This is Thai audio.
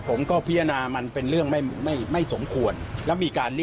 ผมก็พิจารณามันเป็นเรื่องไม่สมควร